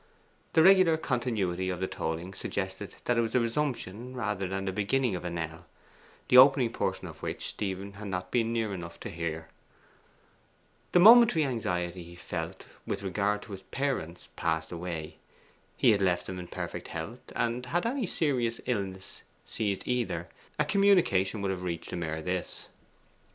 The regular continuity of the tolling suggested that it was the resumption rather than the beginning of a knell the opening portion of which Stephen had not been near enough to hear. The momentary anxiety he had felt with regard to his parents passed away. He had left them in perfect health, and had any serious illness seized either, a communication would have reached him ere this.